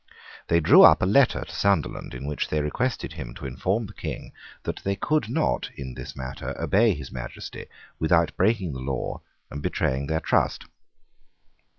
They drew up a letter to Sunderland in which they requested him to inform the King that they could not, in this matter, obey His Majesty without breaking the law and betraying their trust.